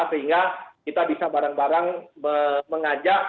sehingga kita bisa bareng bareng mengajak